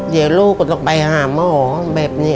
เดี๋ยวลูกก็ต้องไปหาหมอแบบนี้